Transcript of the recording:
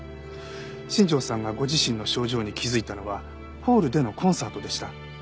新庄さんがご自身の症状に気づいたのはホールでのコンサートでした。